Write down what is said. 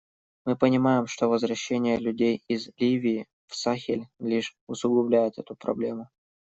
Мы понимаем, что возвращение людей из Ливии в Сахель лишь усугубляет эту проблему.